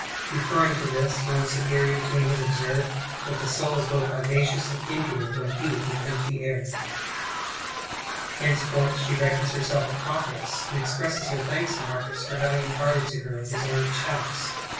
(Referring to this, one superior to me has observed, that the soul is both audacious and impudent wdien heated with empty air.) Henceforth she reckons herself a prophetess, and expresses her thanks to Marcus for having imparted to her of his ovm Charis.